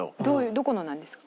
どこのなんですか？